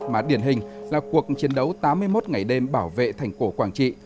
mà điển hình là cuộc chiến đấu tám mươi một ngày đêm bảo vệ thành cổ quảng trị